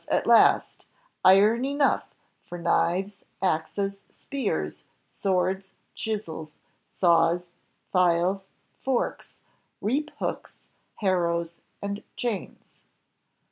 at last, iron enough for knives, axes, spears, swords, chisels, saws, files, forks, reap hooks, harrows, and chains.